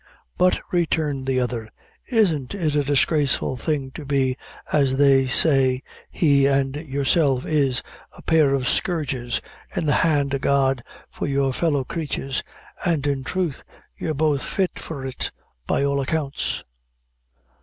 "But," returned the other, "isn't it a disgraceful thing to be, as they say he and yourself is, a pair o' scourges in the hands o' God for your fellow creatures; an' in troth you're both fit for it by all accounts."